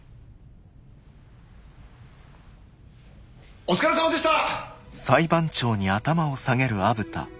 お疲れさまでした！